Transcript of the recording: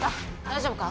大丈夫か？